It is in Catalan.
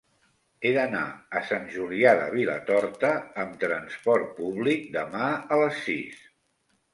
He d'anar a Sant Julià de Vilatorta amb trasport públic demà a les sis.